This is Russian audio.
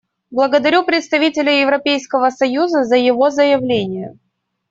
Благодарю представителя Европейского союза за его заявление.